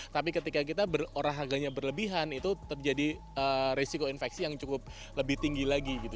tapi ketika kita berolahraganya berlebihan itu terjadi resiko infeksi yang cukup lebih tinggi lagi gitu